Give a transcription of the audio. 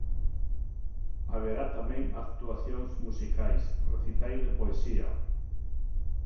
Haberá tamén actuacións musicais, recitais de poesía...